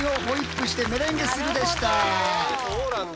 へえそうなんだ。